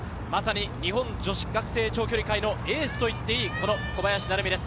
日本女子学生長距離界のエースといっていい、小林成美です。